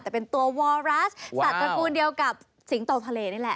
แต่เป็นตัววรัสสัตว์ตระกูลเดียวกับสิงโตทะเลนี่แหละ